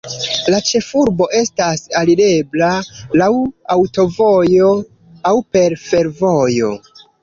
La ĉefurbo estas alirebla laŭ aŭtovojo aŭ per fervojo.